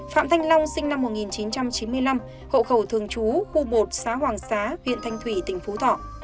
phạm thanh long sinh năm một nghìn chín trăm chín mươi năm hộ khẩu thường trú khu một xã hoàng xá huyện thanh thủy tỉnh phú thọ